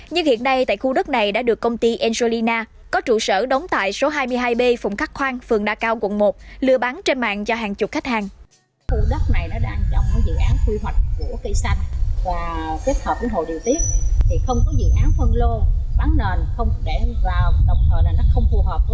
nhưng hiện nay tại khu đất này đã được công ty angelina có trụ sở đóng tại số hai mươi hai b phùng khắc khoang phường đa cao quận một lừa bán trên mạng cho hàng chục khách hàng